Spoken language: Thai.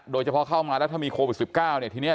โดยเฉพาะเข้ามาแล้วถ้ามีโควิดสิบเก้าเนี้ย